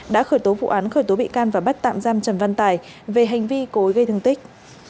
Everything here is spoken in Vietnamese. đã khởi tố vụ án khởi tố bị can và bắt tạm giam trần văn tài về hành vi cối gây thương tích